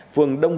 phường đông thị